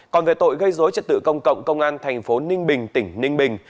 còn về tội gây dối trật tự công cộng công an tp ninh bình tỉnh ninh bình